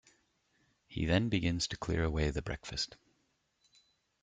He then begins to clear away the breakfast.